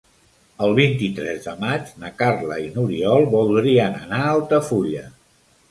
El vint-i-tres de maig na Carla i n'Oriol voldrien anar a Altafulla.